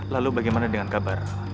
lalu bagaimana dengan kabar